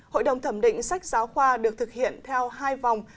hội đồng thẩm định sách giáo khoa được thực hiện theo hai vòng